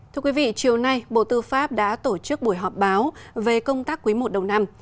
thưa quý vị chiều nay bộ tư pháp đã tổ chức buổi họp báo về công tác quý i đầu năm